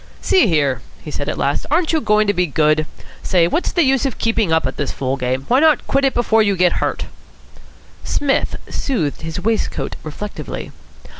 "See here," he said at last, "aren't you going to be good? Say, what's the use of keeping on at this fool game? Why not quit it before you get hurt?" Psmith smoothed his waistcoat reflectively.